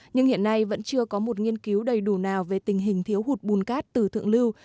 nhưng hiện nay vẫn chưa có một nghiên cứu đầy đủ nào về tình hình thiếu hụt bùn cát từ thượng lưu